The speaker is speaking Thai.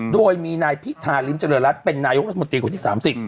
โดยมีนายพิธาริมเจริญรัฐเป็นนายกรัฐมนตรีคนที่๓๐